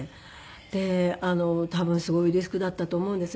で多分すごいリスクだったと思うんですよ。